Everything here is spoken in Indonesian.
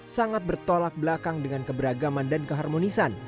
sangat bertolak belakang dengan keberagaman dan keharmonisan